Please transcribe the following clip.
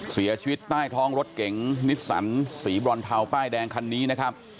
เสียชีวิตใต้ท้องรถเก๋งนิสสันสีบรอนเทาป้ายแดงคันนี้นะครับ